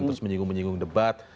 terus menyinggung menyinggung debat